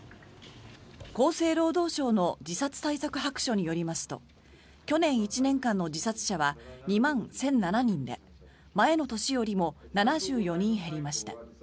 厚生労働省の自殺対策白書によりますと去年１年間の自殺者は２万１００７人で前の年よりも７４人減りました。